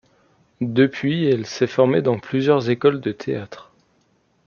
Depuis elle s'est formée dans plusieurs écoles de théâtre.